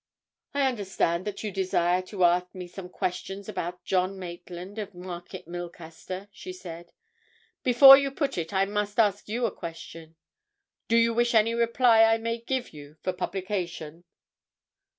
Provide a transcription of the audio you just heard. "I understand that you desire to ask me some question about John Maitland, of Market Milcaster?" she said. "Before you put it. I must ask you a question. Do you wish any reply I may give you for publication?"